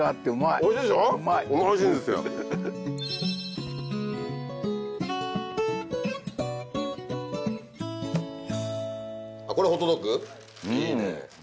いいねぇ。